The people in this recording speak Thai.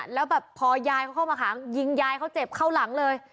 แล้วแบบพอยายเขาเข้ามาหางยิงยายเขาเจ็บเข้าหลังเลย